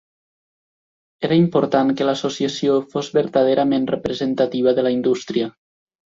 Era important que l'Associació fos vertaderament representativa de la indústria.